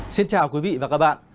xin chào quý vị và các bạn